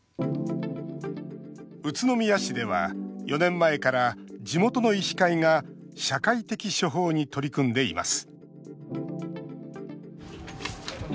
宇都宮市では４年前から地元の医師会が社会的処方に取り組んでいます。